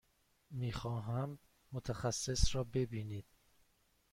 می خواهم متخصص را ببینید.